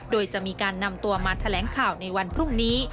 โดยจะมีการนำตัวมาแถลงข่าวในวันพรุ่งนี้